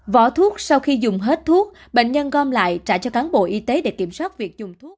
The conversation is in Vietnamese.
vỏ thuốc sau khi dùng hết thuốc bệnh nhân gom lại trả cho cán bộ y tế để kiểm soát việc dùng thuốc